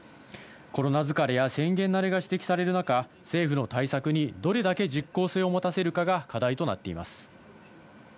コロナ疲れや宣言慣れが指摘される中、政府の対策にどれだけ実効性を持たせるかが課題となっています。